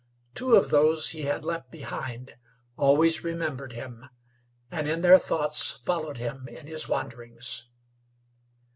Two of those he had left behind always remembered him, and in their thoughts followed him in his wanderings.